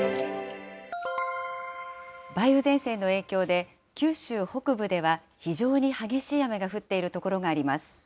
梅雨前線の影響で、九州北部では非常に激しい雨が降っている所があります。